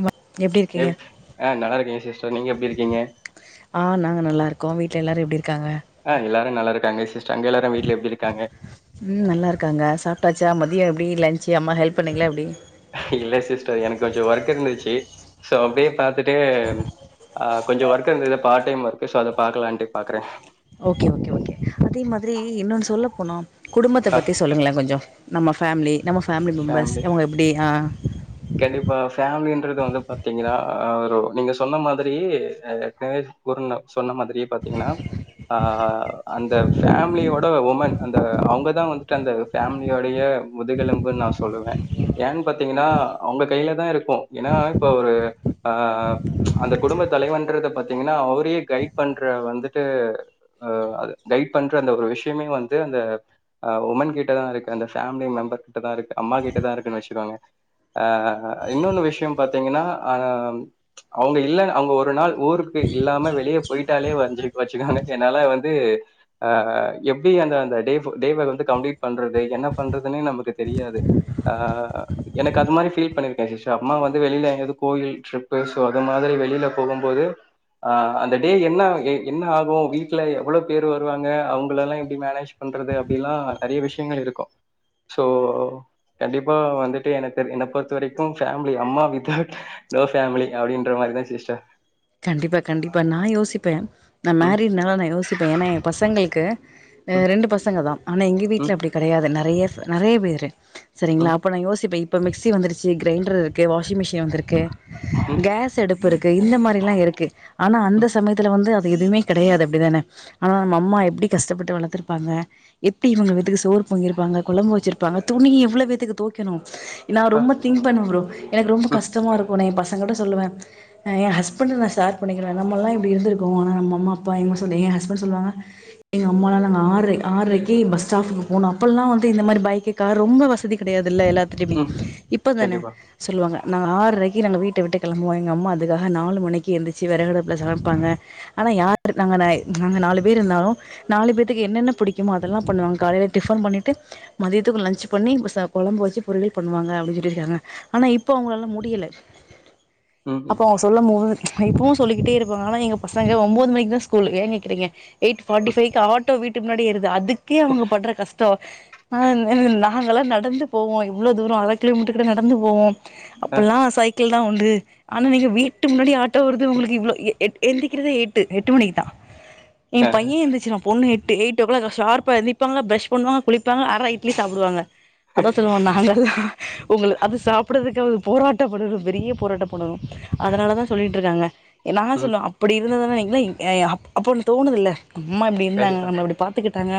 மு எப் ஆ நல்லருக்கே சிஸ்டர் நீங்க எப்டி இருக்கீங்க ஆ நாங்க நல்லாருக்கோ வீட்ல எல்லாரு எப்டி இருக்காங்க ஆ எல்லாரு நல்லா இருக்காங்க சிஸ்டர் அங்க எல்லாரு வீட்ல எப்டி இருக்காங்க ம் நல்லா இருக்காங்க சாப்ட்டாச்சா மதிய எப்டி லன்ஞ்சு அம்மா ஹெல்ப் பண்ணிங்களா எப்டி இல்ல சிஸ்டர் எனக்கு கொஞ்சோ ஒர்க் இருந்துச்சு சோ அப்டியே பாத்துட்டு ஆ கொஞ்சோ ஒர்க் இருந்தது பார்ட் டைம் ஒர்க் சோ அத பாக்கலான்ட்டு பாக்குறே ஓகே ஓகே ஓகே அதே மாதிரி இன்னொன்னு சொல்ல போனா குடும்பத்த பத்தி சொல்லுங்களே கொஞ்சோ நம்ம ஃபேமிலி நம்ம ஃபேமிலி மெம்பர்ஸ் இவங்க எப்டி அ கண்டிப்பா ஃபேமிலன்றது வந்து பாத்தீங்கன்னா ஒரு நீங்க சொன்ன மாதிரி அது ஏற்கனவே குருனொ சொன்ன மாதிரியே பாத்தீங்கன்னா அ அந்த ஃபேமிலியோட உமன் அந்த அவங்கதா வந்துட்டு அந்த ஃபேமிலியோடைய முதுகெலும்பு நா சொல்லுவே ஏனப் பாத்தீங்கன்னா அவுங்க கையில தா இருக்கு ஏன்னா இப்ப ஒரு அ அந்த குடும்ப தலைவன்றத பாத்தீங்கன்னா அவரே கைட் பண்ற வந்துட்டு அ அது கைட் பண்றந்த ஒரு விஷயமே வந்து அ அஉமன் கிட்டதா இருக்கு அந்த ஃபேமிலி மெம்பர்கிட்டதா இருக்கு அம்மா கிட்டதா இருக்குன்னு வச்சுக்கோங்க ஆ இன்னொன்னு விஷய பாத்தீங்கன்னா ஆ அவங்க இல்ல அவங்க ஒரு நாள் ஊருக்கு இல்லாம வெளிய போயிட்டாலே வஞ்சி வச்சுக்கோங் என்னால வந்து அ எப்டி அந்த அந்த டே டேவ வந்து கம்ப்ளீட் பண்றது என்ன பண்றதுன்னே நமக்கு தெரியாது அ எனக் அது மாதிரி ஃபீல் பண்ணிருக்கே சிஸ்டர் அம்மா வந்து வெளியில கோயில் ட்ரிப்பு சோ அது மாதிரி வெளில போகும் போது ஆ அந்த டே என்ன என்ன ஆகு வீட்ல எவ்வள பேரு வருவாங்க அவங்கள எல்லா எப்டி மேனேஜ் பண்றது அப்டில்லா நெறைய விஷயங்கள் இருக்கு சோ கண்டிப்பா வந்துட்டு எனக் என்ன பொறுத்த வரைக்கு ஃபேமிலி அம்மா வித்தவுட் நோ ஃபேமிலி அப்டின்ற மாரி தா சிஸ்டர் கண்டிப்பா கண்டிப்பா நா யோசிப்ப நான் ம் மேரிட்னால நா யோசிப்ப ஏன்னா என் பசங்களுக்கு ம் ரெண்டு பசங்க தா ஆனா எங்க வீட்ல ம் அப்டி கடையாது நெறைய நெறைய பேரு சரிங்களா ம் அப்ப நா யோசிப்ப இப்ப மிக்சி வந்துருச்சு கிரைண்டர் இருக்கு வாஷிங் மிஷின் வந்திருக்கு ம் கேஸ் அடுப்பு இருக்கு இந்த மாரி ல்லா இருக்கு ஆனா அந்த ம் சமயத்துல வந்து அது எதுமே கெடையாது அப்டிதானே அ அம்மா எப்படி கஷ்டப்பட்டு வளத்துருப்பாங்க எப்டி இவங்க வீட்டுக்கு சோறு பொங்கிருப்பாங்க கொழம்பு வச்சிருப்பாங்க துணி எவ்வளவு வேத் தோய்க்கணு நா பா ரொம்ப திங்க் பண்ணுவ ப்ரோ எனக்கு ரொம்ப ம் கஷ்டமா இருக்கு நா எ பசங்கட்ட சொல்லுவ எ ஹஸ்பண்ட நா ஷேர் பண்ணிக்கிற நம்மல்லா இப்படி இருந்துருகோ ஆனா நம் அம்மா அப்பாங்க சொல்லி எ ஹஸ்பண்ட் சொல்லுவாங்க எங்க அம்மாலா நாங்க ஆ ஆரைக்கு பஸ் ஸ்டாப்க்கு போனு அப்பலா வந்து இந்த மாரி பைக்கு கா ரொம்ப வசதி கடையாதுல்ல எல்லாத் துடயுமே ம் இப்ப தான கண்டிப்பா சொல்லுவாங்க நாங்க ஆறுரைக்கு நாங்க வீட்ட விட்டு கிளம்புவோ எங்க அம்மா அதுக்காக நாலு மணிக்கு எந்துச்சு விறகு அடுப்புல சமைப்பாங்க ஆனா யார் இருக்காங்க நாங்க நாலு பேர் இருந்தாலு நாலு பேத்துக்கு என்னென்ன பிடிக்குமோ அதெல்லா பண்ணுவாங்க காலையில டிஃபன் பண்ணிட்டு மதியத்துக்கும் லஞ்சு பண்ணி கொழம்பு வச்சு பொரியல் பண்ணுவாங்க அப்டின்னு சொல்லிருக்காங்க ஆனா இப்போ அவங்களாலா முடியல ம் ம் அப்போ அவங்க சொல்லும் போது இப்பவு சொல்லிக்கிட்டே இருப்பாங்க ஆனா எங்க பசங்க ஒம்போது மணிக்கு தா ஸ்கூல்லே ஏங்க கேக்கிறீங்க எயிட் ஃபாட்டி ம் ஃபவ்கு ஆட் ஆட்டோ வீட்டுக்கு முன்னாடியே வருது அதுக்கே அவங்க பட்ற கஷ்டோ ஆ நாங்கல்லா நடந்து போவோ இவ்ளோ தூரோ அர கிலோமீட்டர் கிட்ட நடந்து போவோ ஆ அப்பெல்லா சைக்கிள் தா உண்டு ஆனா இன்னிக்கி வீட்டு முன்னாடி ஆட் டோ வருது உங்களுக்குவ்ளோ எ எந்திக்கிறத எட்டு எட்டு மணிக்கு தா ஏ ஆ பைய எந்திருச்சுவா ஏ பொண்ணு எட்டு எயிட் எயிட் ஓ கிளக்கு ஷார்பா எந்திப்பாங்க ப்ரஷ் பண்ணுவங்க குளிப்பாங்க அர இட்லி சாப்பிடுவாங்க அதா சொல்லுவோ நாங்கல்லா உங்க அது சாப்பிட்றதுக்கு போராட்ட பண்ணு பெரிய போராட்ட பண்ணணு அதனால தா சொல்லிட்டு இருக்காங்க நா ம் சொல்லுவே அப்டி இருந்ததுனால நீங்க அப்டின் தோணுதில்ல அம்மா இப்டி இருந்தாங்க கண்டிப்பா நம்மள அப்டி பாத்துக்கிட்டாங்க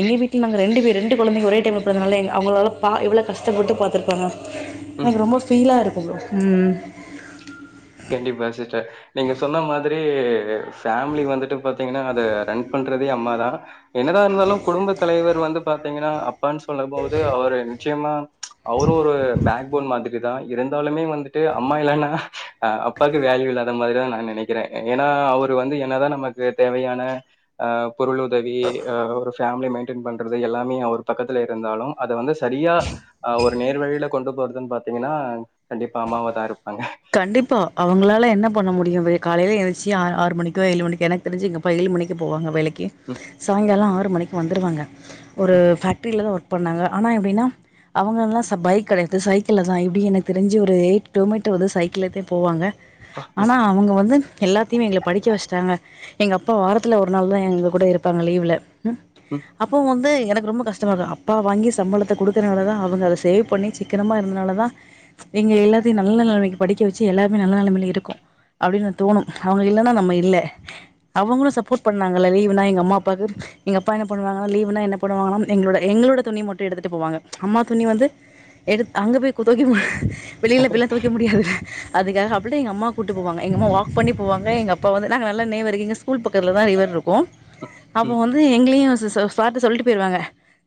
எங்க வீட்ல நாங்க ரெண்டு பேர் ரெண்டு கொழந்தைங்க ஒரே டைம்ல பொறதனால அவங்களால இவ்ளோ கஷ்டப்பட்டு பாத்திருப்பாங்க ம் எனக்கு ரொம்ப ஃபீலா இருக்கு ப்ரோ ம் கண்டிப்பா சிஸ்டர் நீங்க சொன்ன மாதிரி ஃபேமிலி வந்துட்டு பாத்தீங்கன்னா அது ரன் பண்றதே அம்மா தா என்னதா இருந்தாலு குடும்பத் தலைவர் வந்து பாத்தீங்கன்னா அப்ப அப்பான்னு சொல்லும் போது அவரு நிச்சயமா அவரு ஒரு ஃபேக்போன் மாதிரி தா இருந்தாலுமே வந்துட்டு அம்மா இல்லன்னா ஆ அப்பாவுக்கு வேல்யூ இல்லாத மாரிதா நா நெனைக்கிறே ஏன்னா அவரு வந்து என்னதா நமக்கு தேவையான ஆ பொருள் உதவி ஆ ஒரு ஃபேமிலி மெயின்டென் பண்றது எல்லாமே ஒரு பக்கத்துல இருந்தாலு அத வந்து செரியா ஆ ஒரு நேர் வழியில கொண்டு போறதுன்னு பாத்தீங்கன்னா கண்டிப்பா அம்மாவ தா இருப்பாங்க கண்டிப்பா அவங்களால என்ன பண்ண முடியு காலையில் எனிச்சி ஆ ஆறு மணிக்கோ ஏழு மணிக்கோ எனக்கு தெரிஞ்சு எங்கப்பா ஏழு மணிக்கு போவாங்க வேலைக் கி ம், சாயங்காலோ ஆறு மணிக்கு வந்துருவாங்க ஒரு ஃபேக்டரியில தா ஒர்க் பண் பண்ணாங்க ஆனா எப்டினா அவங்க எல்லா பைக் கெடையாது சைக்கிள் தா எப்டி எனக்கு தெரிஞ்சு ஒரு ஒரு எயிட் கிலோமீட்டர் வந்து சைக்கிளேத்தே போவாங்க ஆனா அவங்க வந்து எல்லாத்தையுமே எங்கள படிக்க வெச்சுட்டாங்க எங்க அப்பா வாரத்துல ஒரு நாள் தா எங்க கூட இருப்பாங்க லீவ்ல ம் அப்போ வந்து எனக்கு ரொம்ப கஷ்டமா இருக்கு அப்பா வாங்கி சம்பளத்த குடுக்குறனாலதா அவங்க அத சேவ் பண்ணி சிக்கனமாக இருந்தனால தா எங்க எல்லாத்தையு நல்ல நெலைமைக்கு படிக்க வெச்சு எல்லாருமே நல்ல நெலைமையில இருக்கோ அப்டின்னு தோணு அவங்க இல்லன்னா நம்ம இல்ல அவங்களு சப்போர்ட் பண்ணாங்கல்ல லீவுனா எங்க அம்மா அப்பாக்கு எங்க அப்பான பண்ணுவாங்க லீ்வுனா என்ன பண்ணுவாங்க எங்களோட எங்களோட துணி மட்டு எடுத்துட்டு போவாங்க அம்மா துணி வந்து எடு அங்க போய் தொவெக்க போ வெள்ளில போய் எல்லா தொவைக்க முடியாதுல்ல அதுக்ககப்றோ எங்க அம்மா கூட்டுவாங்க எங்கம்மா வாக் பண்ண போவாங்க எங்கப்பா வந்து நாங்க நல்ல நேய் வரிக்குங்க ஸ்கூல் பக்கத்துலதா ரிவர் இருக்கு ம். அப்போ வந்து எங்களையு சார்ட்ட சொல்லிட்டு போயிருவாங்க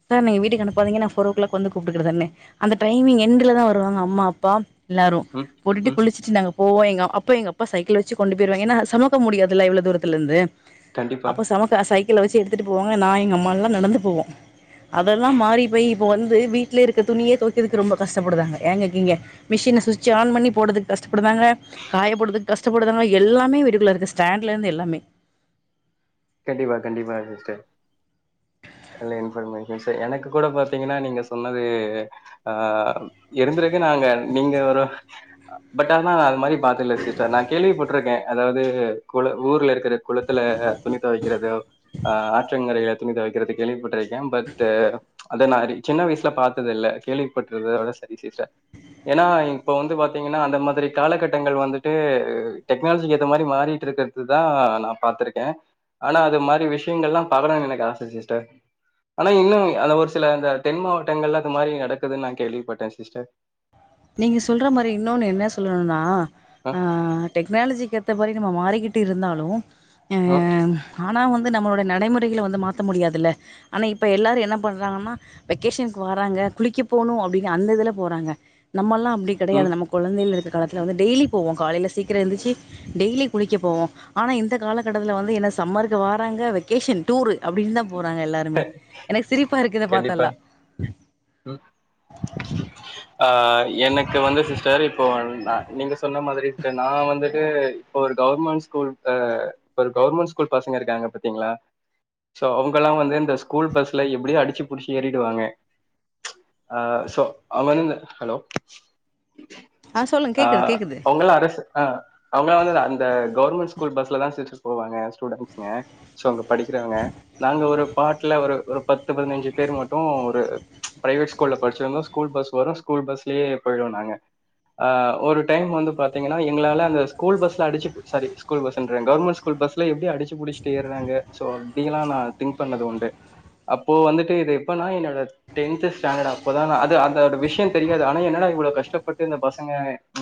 சார் நீ வீட்டுக்கு அனுப்பாதிங்க நா ஃபோர் ஓ கிளாக் வந்து கூப்பிட்டுக்குடுறதன்னு அந்த டைமிங்யென்டுல தா வருாங்க அம்மா அப்பா எல்லாரு ம் போட்டிட்டு ம் குளிச்சிட்டு நாங்க போவோ எங்க அப்பா எப்ப சைக்கிள் வெச்சு கொண்டு போயிடுவாங்க ஏன்னா சொமக்க முடியாதுல இவ்ளோ தூரத்துல இருந்து கண்டிப்பா அப்பா செமக்க சைக்கிள் வெச்சு எடுத்துட்டு போவாங்க நா எங்க அம்மால எல்லா நடந்து போவோ அதெல்லா மாறி போயி இப்ப வந்து வீட்லய இருக்கிற துணியே தொவைக்கதுக்கு ரொம்ப கஷ்டப்படுதாங்க ஏங் கேக்கீங்க மிஷின்ன சுவிட்ச ஆன் பண்ணி போட்றதுக்கு கஷ்டப்படுதாங்க காயப்போட்ததுக்கு கஷ்டப்படுதாங்க எல்லாமே வீட்டுக்குள்ள இருக்கு ஸ்டாண்ட்ல இருந்து எல்லாமே கண்டிப்பா கண்டிப்பா சிஸ்டர் நல்ல இன்ஃபர்மேஷன் சோ எனக்கு கூட பாத்தீங்கன்னா நீங்க சொன்னது ஆ இருந்திருக்கு நாங்க நீங்க ஒரு பட் ஆனா அது மாரி பாத்துல சிஸ்டர் நா கேள்விப்பட்டுருக்கே அதாவது குள ஊர்ல இருக்கற குளத்துல துணி தொவைக்கறது ஆ ஆற்றங்கரைள துணி துவைக்கிறது கேள்விப்பட்ருக்கே பட் அத மாரி சின்ன வயசுல பாத்ததில்ல கேள்விப்பட்டருக்கரதோட சரி சிஸ்டர் ஏன்னா இப்போ வந்து பாத்தீங்கன்னா அந்த மாதிரி காலகட்டங்கள் வந்துட்டு டெக்னாலஜிக்கு ஏத்த மாரி மாரிட்ருக்க இதுதா நா பாத்ருக்கேன் ஆனா அது மாரி விஷியங்கள் எல்லா [unintelligible] எனக்கு ஆச சிஸ்டர் ஆனா இன்னும் அந்த ஒரு சில அந்த தென் மாவட்டங்கள்ல அது மாரி நடக்குதுன் நா கேள்விப்பட்டேன் சிஸ்டர் நீங்க சொல்ற மாரி இன்னோனு என்ன சொல்லணும்னா அ ஆ டெக்னாலஜிக் ஏத்த மாரி நம்ம மாறிக்கிட்டு இருந்தாலும் அ ஆ ஆனா வந்து நம்மளுட நடைமுறைகள வந்து மாத்த முடியாதுல்ல ஆனா இப்ப எல்லாரு என்ன பண்றாங்கன்னா வெக்கேஷனுக்கு வராங்க குளிக்க போணும் அப்டினு அந்த இதுல போறாங்க நம்மல்லா அப்டி ம் கடையாது நம்ம கொழந்தைகள் இருக்கற காலத்துல டெய்லி போவோ காலையில சீக்கிரோ எந்திச்சி டெய்லி குளிக்க போவோம் ஆனா இந்த காலகட்டத்துல வந்து என்ன சம்மருக்கு வாராங்க வெக்கேஷன் டூரு அப்டின் தா போறாங்க எல்லாருமே எனக்கு சிரிப்பாருக்க இத கண்டிப்பா பாத்தால்லா ஆ எனக்கு வந்து சிஸ்டர் இப்போ நா நீங்க சொன்ன மாதிரி ட்டு நா வந்து ந்து இப்ப ஒரு கவ்ர்மெண்ட் ஸ்கூல் ப இப்ப ஒரு கவ்ர்மெண்ட் ஸ்கூல் பசங்க இருக்காங்க பாத்தீங்களா சோ அவுங்கலா வந்து இந்த ஸ்கூல் பஸ்ல எப்டியோ அடிச்சி புடிச்சி ஏறிடுவாங்க ஆ சோ அவந்து ஹலோ சொல்லுங்க ஆ கேக்குது கேக்குது. அவுங்கலா அரஸ் ஆ அவுங்களா வந்து அந்த கவ்ர்மெண்ட் ஸ்கூல் பஸ்ல தா சிஸ் போவாங்க ஸ்டூடண்சுங்க சோ அங்க படிக்கிறவங்க நாங்க ஒரு பாட்ல ஒரு ஒரு பத்து பதினஞ்சி பேர் மட்டும் ஒரு பிரைவேட் ஸ்கூல்ல படிச்சவங்க ஸ்கூல் பஸ் வரும் ஸ்கூல்பஸ்லயே போயிடுவோ நாங்க ஆ ஒரு டைம் வந்து பாத்தீங்கன்னா எங்களால அந்த ஸ்கூல் பஸ்ல அடிச்சி சாரி ஸ்கூல் பஸ்ன்றே கவ்ர்மெண்ட் ஸ் கூல் பஸ்ல எப்டி அடிச்சு புடிச்சுட்டு ஏருறாங்க சோ அப்டியலா நா திங்க் பண்ணதுண்டு அப்போ வந்துட்டு இது எப்பனா என்னோட டென்த் ஸ்டாண்டர்ட் அப்போத நா அது அந்த ஒரு விஷ்யோ தெரியாது ஆனா என்னடா இவ்ளோ கஷ்டப்பட்டு இந்த பசங்க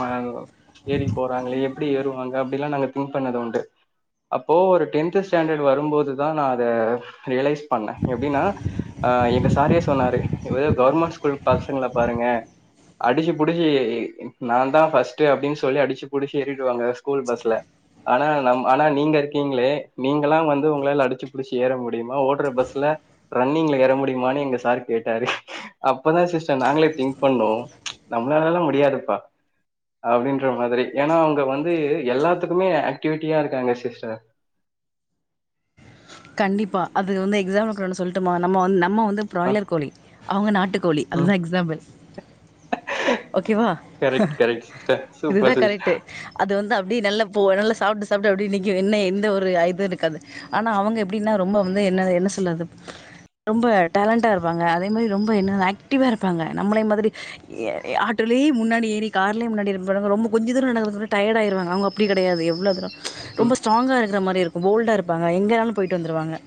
அ ஏறி போறாங்களே எப்டி ஏறுவாங்க அப்டிலா நாங்க திங்க் பண்ணதுண்டு அப்போ ஒரு டென்த் ஸ்டாண்டட் வரும்போதுதா நா அத ரியலைஸ் பண்ண எப்டின்னா ஆ எங்க சாரே சொன்னாரு [unintelligible] கவர்மெண்ட் ஸ்கூல் பசங்கள பாருங்க அடிச்சி புடிச்சி நான் தா ஃபஸ்ட்டு அப்டின் சொல்லி அடிச்சி புடிச்சி ஏறிடுவாங்க ஸ்கூல் பஸ்ல ஆனா நம் ஆனா நீங்க இருக்கீங்களே நீங்கல்லா வந்து உங்களால அடிச்சி புடிச்சி ஏற முடியுமா ஓடுற பஸ்ல ரன்னிங்ல எற முடியுமானு எங்க சாரு கே ட்டாரு அப்பதா சிஸ்டர் நாங்களே திங்க் பண்ணோம் நம்மளாலலா முடியாதுப்பா அப்டின்ற மாதிரி ஏன்னா அவுங்க வந்து எல்லாத்துக்குமே ஆக்டிவிட்டியா இருக்காங்க சிஸ்டர் கண்டிப்பா அது வந்து எக்ஸாம்பிள்க்கொனு சொல்ட்டுமா நம்ம வந்து நம்ம வந்து ஆ பிராய்லர் கோழி அவுங்க நாட்டுக்கோழி ம் அதுதா எக்ஸாம்பிள் ஓகேவா கரெக்ட் கரெக்ட் சிஸ்டர் இதுதா சூப்பர் சிஸ்டர் கரெக்ட்டு அது வந்து அப்டி நல்லா போ நல்லா சாப்ட்டு சாப்ட்டு அப்டி நிக்கும் என்ன எந்த ஒரு இது ஆயிருக் காது ஆனா அவங்க எப்டின்னா ரொம்ப வந்து என்ன என்ன சொல்லறது ரொம்ப டேலண்ட்டா இருப்பாங்க அதே மாரி ரொம்ப என்ன ஆக்டிவா இருப்பாங்க நம்மளை மாதிரி எ ஏ ஆட்டோலயே முன்னாடி ஏறி கார்லயே முன்னாடிறப்ப ரொம்ப கொஞ்ச தூரோ நடக்கறதுகுள்ள டயடு ஆயிடுவாங்க அவங்க அப் ப்டி கெடையாது எவ்ளோதா ம் ரொம்ப ஸ்ட்ராங்கா இருக்கற மாறி இருக்கும் போல்டா இருப்பாங்க எங்கனாலும் போயிட்டு வந்துருவாங்க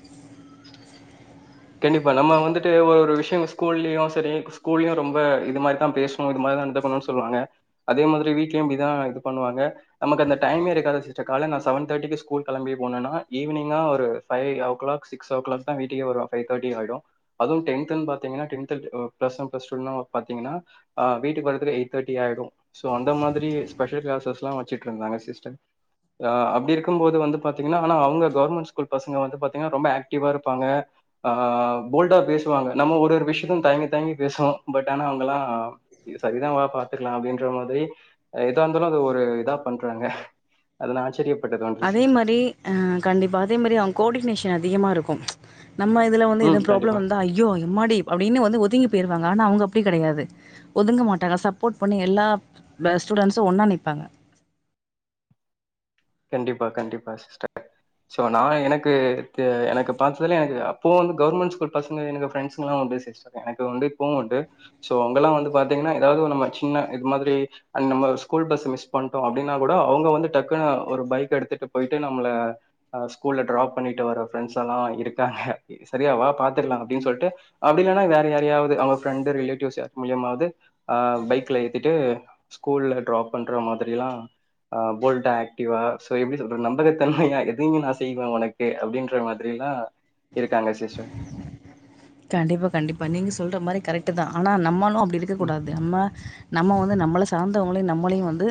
கண்டிப்பா நம்ம வந்துட்டு ஒரு ஒரு விஷ்யோ ஸ்கூல்லயும் சரி ஸ்கூல்லயும் ரொம்ப இது மாறிதான் பேசு ம் இது மாறிதா நடந்துக்கணு சொல்வாங்க அதே மாதிரி வீட்லயு இப்டிதா இது பண்ணுவாங்க நமக்கு அந்த டைமே இருக்காது சிஸ்டர் கால நா செவன் தார்ட்டிக்கி ஸ்கூல் கெளம்பி போனேனா ஈவினிங்கா ஒரு five o'clock six o'clock தா வீட்டுக்கே வருவ ஃபைவ்தாட்டி ஆயிடு அதுவு டென்த்துன்னு பாத்தீங்கன்னா டென்த்து ப்ளஸ் ஒன் ப்ளஸ்டூனு பாத்தீங்கன்னா ஆ வீட்டுக்கு வரத்துக்கு எயிட்த்தேட்டி ஆயிடு சோ அந்த மாதிரி ஸ்பெஷல் கிளாஸஸ்ல்லா வச்சுட்ருந்தாங்க சிஸ்டர் ஆ அப்டி இருக்கும்போது வந்து பாத்தீங்கன்னா ஆனா அவுங்க கவர்மெண்ட் ஸ்கூல் பசங்க வந்து பாத்தீங்கன்னா ரொம்ப ஆக்டிவா இருப்பாங்க ஆ போல்டா பேசுவாங்க நம்ம ஒருரு விஷியத்த தயங்கி தயங்கி பேசுவோ பட் ஆனா அவுங்கல்லா சரிதா வா பாத்துக்கலா அப்டின்ற மாதிரி் எதா இருந்தாலு அது ஒரு இதா பண்றாங்க அதுனா ஆச்சரியப் அதே மாறி கண்டிப்பா அ அதே மாறி அவுங்க கோடிக்னேஷன் அதிகம இருக்கு நம்ம இதுல வந்து எது ம் ப்ராப்ளம் கண்டிப்பா, வந்தா ஐயோ எம்மாடி அப்படின்னு வந்து ஒதுங்கி போயிருங்க ஆனா அவங்க அப்டி கெடையாது ஒதுங்க மாட்டாங்க சப்போட் பண்ணி எல்லாப் ப ஸ்டூடண்ட்ஸு ஒன்னா நிப்பாங்க கண்டிப்பா கண்டிப்பா சிஸ்டர் சோ நா எனக்கு எனக்கு பாத்ததுலயே எனக்கு அப்போ வந்து கவர்மெண்ட் ஸ்கூல் பசங்க எனக்கு ஃப்ரெண்ட்ஸுகலா உண்டு சிஸ் எனக்கு வந்து இப்பவு உண்டு சோ அவங்கெல்லா வந்து பாத்தீங்கன்னா ஏதாவது ஒரு நம்ம சின்ன இது மாதிரி அண்ட் நம்ம ஸ்கூல் பஸ் மிஸ் பண்ட்டோ அப்டின்னா கூட அவங்க வந்து டக்குனு ஒரு பைக் எடுத்துட்டு போயிட்டு நம்மள அ ஸ்கூல்ல ட்ராப் பண்ணிட்டு வர ஃப்ரெண்ட்ஷ் எல்லா இருக்காங்க சரியாவா பாத்துக்கலா அப்டினு சொல்ட்டு அப்டி இல்லன்னா வேற யாராவது அவங்க ஃப்ரெண்டு ரிலேட்டிவ்ஸ் யார் மூலியமாவது ஆ பைக்ல ஏத்திட்டு ஸ்கூல்ல ட்ராப் பண்ற மாரில்லா ஆ போல்டாக் அஃடிவா சோ எப்டி சொல்ற நம்பகத்தன்மையா எதையு நா செய்வே உனக்கு அப்டின்ற மாதிரில்லா இருக்காங்க சிஷ கண்டிப்பா கண்டிப்பா நீங்க சொல்ற மாரி கரெக்ட்டுதா ஆனா நம்மாலு அப்டி இருக்க ம் கூடாது அம்ம நம்ம வந்து நம்மள சார்ந்தவங்களையு நம்மளையு வந்து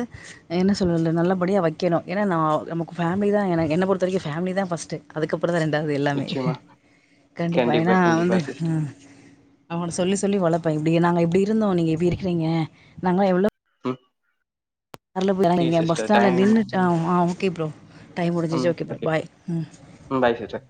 என்ன சொல்லது நல்லபடியா வைக்கணு ஏன்னா நா நமக்கு ஃபேமிலி தா ஏனா என்ன பொருத்தவரைக்கு ஃபேமிலி தா ஃபஸ்ட்டு அதுக்கப் ப்பறந்தா ரெண்டாவது எல்லாமே நிச்சயமா கண்டிப்பா ஏன்னா வந்து கண்டிப்பா சிஸ்டர் அவன சொல்லி சொல்லி வளப்பே இப்டி நாங்க இப்டி இருந்தோ நீங்க எப்டி இருக்கிறீங்க நாங்களா எவ்வளோ ம் அரல ஓகே [unintelligible] பஸ் சிஸ்டர் ஸ்டாண்டுல டைம் நின்னுட்டாவ் ஆவ் ஆவ் ஓகே ப்ரோ டைம் முடிஞ்சிச்சு ஓகே ப்ரோ பாய் ம் ம் பாய் சிஸ்டர்